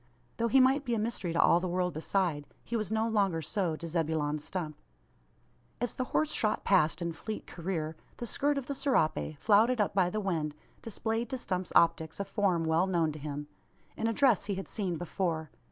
Though he might be a mystery to all the world beside, he was no longer so to Zebulon Stump. As the horse shot past in fleet career, the skirt of the serape, flouted up by the wind, displayed to Stump's optics a form well known to him in a dress he had seen before.